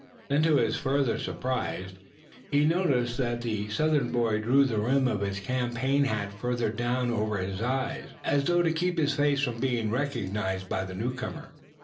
Then to his further surprise he noticed that the Southern boy drew the rim of his campaign hat further down over his eyes, as though to keep his face from being recognized by the newcomer.